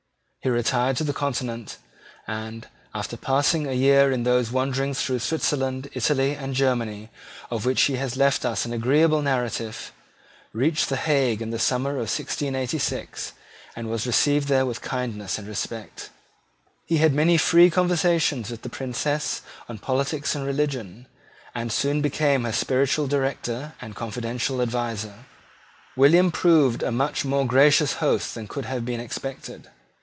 He retired to the Continent, and, after passing about a year in those wanderings through Switzerland, Italy, and Germany, of which he has left us an agreeable narrative, reached the Hague in the summer of 1686, and was received there with kindness and respect. He had many free conversations with the Princess on politics and religion, and soon became her spiritual director and confidential adviser. William proved a much more gracious host than could have been expected.